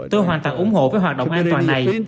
tôi hoàn toàn ủng hộ với hoạt động an toàn này